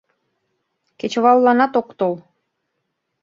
Кечывалланат ок тол.